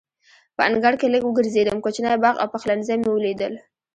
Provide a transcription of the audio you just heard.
په انګړ کې لږ وګرځېدم، کوچنی باغ او پخلنځی مې ولیدل.